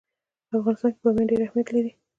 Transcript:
په افغانستان کې بامیان ډېر اهمیت لري.